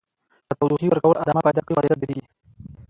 که تودوخې ورکول ادامه پیدا کړي خوځیدل ډیریږي.